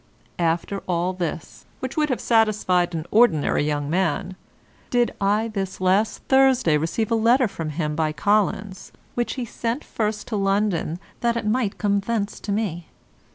After all this (which would have satisfied an ordinary young man) did I this last Thursday receive a letter from him by Collins, which he sent first to London that it might come thence to me.